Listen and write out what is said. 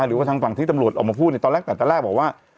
หรือว่าทางฝั่งที่ตำรวจออกมาพูดเนี่ยตอนแรกแต่ตอนแรกบอกว่า